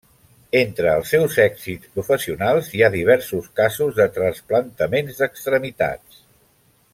Entre els seus èxits professionals hi ha diversos casos de trasplantaments d'extremitats.